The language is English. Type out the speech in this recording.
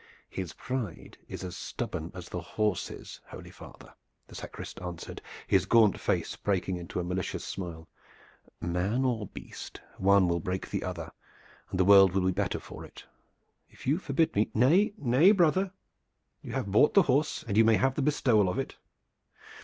"His pride is as stubborn as the horse's, holy father," the sacrist answered, his gaunt fact breaking into a malicious smile. "Man or beast, one will break the other and the world will be the better for it. If you forbid me " "Nay, brother, you have bought the horse, and you may have the bestowal of it."